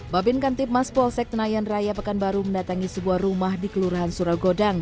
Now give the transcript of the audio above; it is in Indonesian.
babin kantip mas polsek tenayan raya pekanbaru mendatangi sebuah rumah di kelurahan suragodang